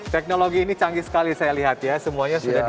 teknologi ini canggih sekali saya lihat ya semuanya sudah di